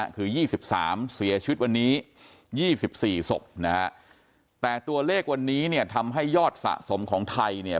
คือ๒๓เสียชีวิตวันนี้๒๔สมแต่ตัวเลขวันนี้ทำให้ยอดสะสมของไทย